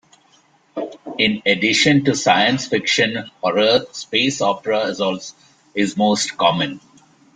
In addition to science fiction horror, space opera is most common.